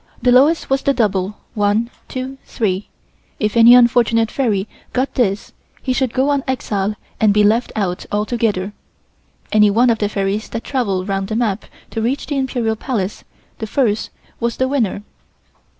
The lowest was the double 1, 2, 3. If any unfortunate fairy got this he should go on exile and be left out altogether. Any one of the fairies that travelled round the map to reach the Imperial Palace, the first, was the winner.